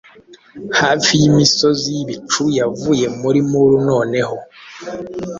Hafi yimisozi yibicu yavuye muri moor noneho